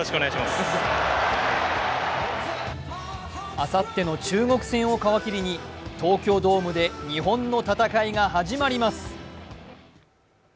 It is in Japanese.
あさっての中国戦を皮切りに、東京ドームで、日本の戦いが始まります。